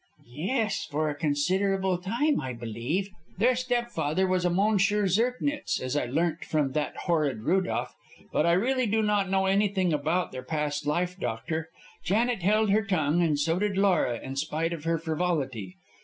"Yes, for a considerable time, I believe. Their stepfather was a M. Zirknitz, as I learnt from that horrid Rudolph. But I really do not know anything about their past life, doctor. Janet held her tongue, and so did Laura, in spite of her frivolity.